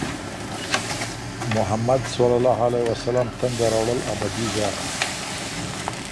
محمده "ص"تنده راوړل ابدي ږغ